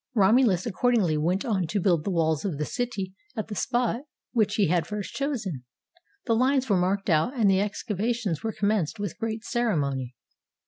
Romulus accordingly went on to build the walls of the city at the spot which he had first chosen. The lines were marked out, and the exca vations were commenced with great ceremony.